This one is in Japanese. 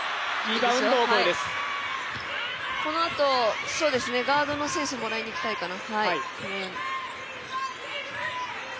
このあとガードの選手もらいにいきたいかな。